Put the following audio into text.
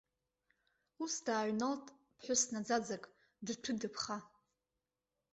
Ус дааҩналт ԥҳәыс наӡааӡак, дҭәы-дыԥха.